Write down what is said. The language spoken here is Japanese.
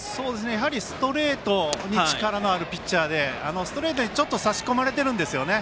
ストレートに力のあるピッチャーでストレートにちょっと差し込まれているんですね。